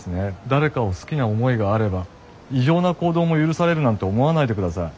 誰かを好きな思いがあれば異常な行動も許されるなんて思わないでください。